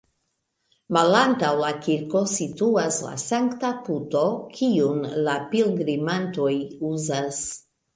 Malantaŭ la kirko situas la sankta puto, kiun la pilgrimantoj uzas.